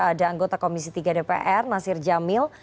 ada anggota komisi tiga dpr nasir jamil